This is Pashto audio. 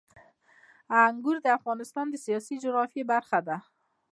انګور د افغانستان د سیاسي جغرافیه برخه ده.